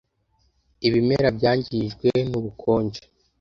Ibimera byangijwe nubukonje.